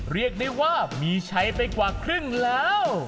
เรียกได้ว่ามีใช้ไปกว่าครึ่งแล้ว